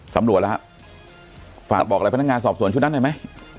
ทำรวจล่ะฝากบอกอะไรพนักงานสอบส่วนเชุดนั้นได้ไหม